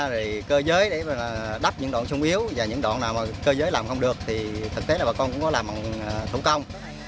rồi cơ giới để đắp những đoạn sung yếu và những đoạn nào mà cơ giới làm không được thì thực tế là bà con cũng có làm bằng thủ công